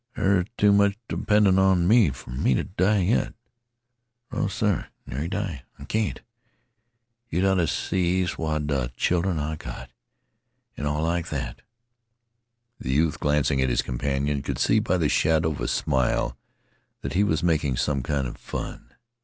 There too much dependin' on me fer me t' die yit. No, sir! Nary die! I CAN'T! Ye'd oughta see th' swad a' chil'ren I've got, an' all like that." The youth glancing at his companion could see by the shadow of a smile that he was making some kind of fun.